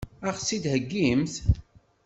Ad ɣ-tt-id-heggimt?